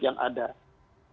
dan kepentingan yang ada